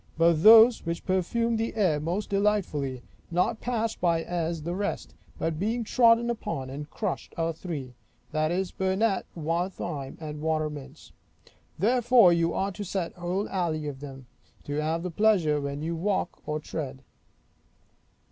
But those which perfume the air most delightfully, not passed by as the rest, but being trodden upon and crushed, are three; that is, burnet, wildthyme, and watermints. Therefore you are to set whole alleys of them, to have the pleasure when you walk or tread.